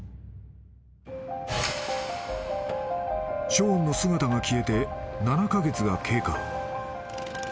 ［ショーンの姿が消えて７カ月が経過］